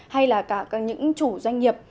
hay là cả những chủ doanh nghiệp